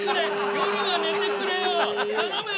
夜はねてくれよ頼むよ。